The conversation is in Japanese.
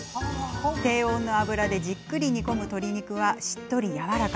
低温の油でじっくり煮込む鶏肉はしっとりやわらか。